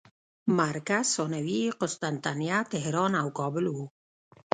مرکز ثانوي یې قسطنطنیه، طهران او کابل وو.